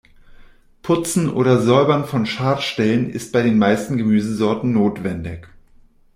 Putzen oder Säubern von Schadstellen ist bei den meisten Gemüsesorten notwendig.